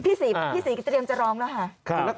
พี่ศรีเตรียมจะร้องแล้วค่ะ